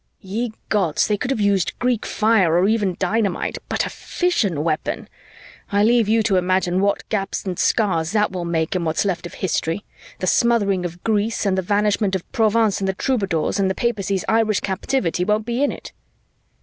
"Ye gods, they could have used Greek fire or even dynamite, but a fission weapon.... I leave you to imagine what gaps and scars that will make in what's left of history the smothering of Greece and the vanishment of Provence and the troubadours and the Papacy's Irish Captivity won't be in it!"